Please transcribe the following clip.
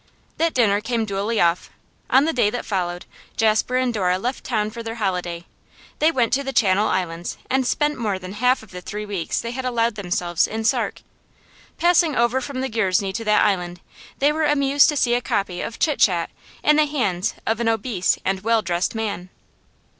That dinner came duly off. On the day that followed, Jasper and Dora left town for their holiday; they went to the Channel Islands, and spent more than half of the three weeks they had allowed themselves in Sark. Passing over from Guernsey to that island, they were amused to see a copy of Chit Chat in the hands of an obese and well dressed man.